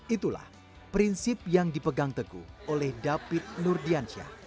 itulah prinsip yang dipegang teguh oleh david nurdiansyah